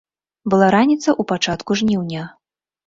Была раніца ў пачатку жніўня.